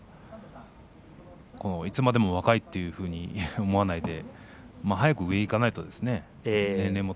いつまでも若いというふうに思わないで早く上にいかないといけませんね。